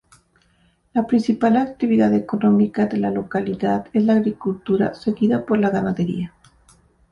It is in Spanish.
La principal actividad económica de la localidad es la agricultura seguida por la ganadería.